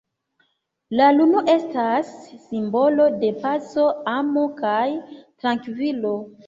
La luno estas simbolo de paco, amo, kaj trankvilo.